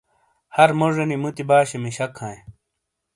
ہر موجینی موتی باشے مشک ہائں۔